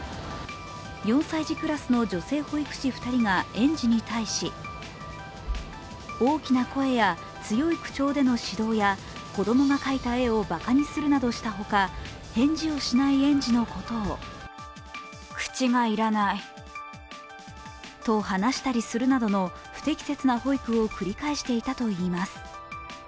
４歳児クラスの女性保育士２人が園児に対し大きな声や強い口調での指導や子供が描いた絵をばかにするなどしたほか、返事をしない園児のことをと話したりするなどの不適切な保育を繰り返していたといいます。